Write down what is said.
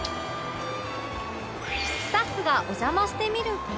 スタッフがお邪魔してみると